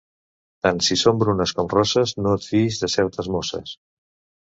Tant si són brunes com rosses, no et fiïs de certes mosses.